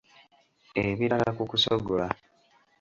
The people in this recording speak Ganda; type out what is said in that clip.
Ebirala ku kusogola.